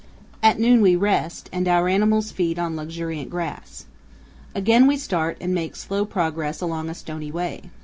At noon we rest and our animals feed on luxuriant grass. Again we start and make slow progress along a stony way.